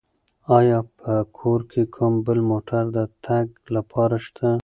آیا په کور کې کوم بل موټر د تګ لپاره شته؟